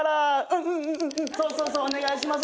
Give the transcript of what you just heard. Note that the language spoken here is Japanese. うんうんそうそうお願いします。